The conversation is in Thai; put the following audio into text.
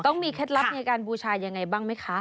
ต้องมีเคล็ดลับในการบูชายังไงบ้างไหมคะ